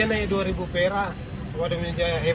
kalau dia naik rp dua maka dia bisa menangkap rp dua